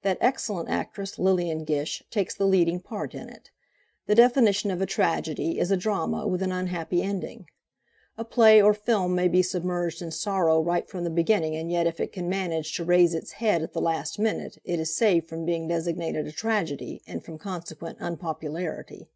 "That excellent actress Lilian Gish takes the leading part in it. The definition of a tragedy is a drama with an unhappy ending. A play or film may be submerged in sorrow right from the beginning and yet if it can manage to raise its head at the last minute it is saved from being designated a tragedy and from consequent unpopularity.